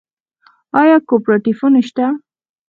آیا کوپراتیفونه شته؟